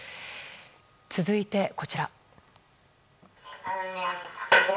続いて、こちら。